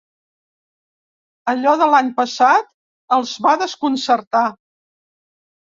Allò de l'any passat els va desconcertar.